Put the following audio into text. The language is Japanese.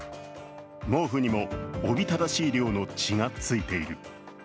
毛布にもおびただしい量の血がついている。